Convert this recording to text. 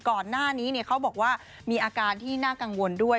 ก่อนหน้านี้เขาบอกว่ามีอาการที่น่ากังวลด้วย